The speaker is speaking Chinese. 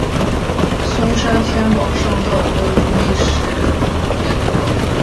松山天宝圣道宫历史沿革